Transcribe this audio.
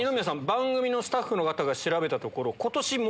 番組のスタッフの方が調べたところ。